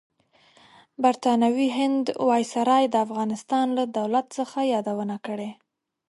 برطانوي هند وایسرای د افغانستان لۀ دولت څخه یادونه کړې.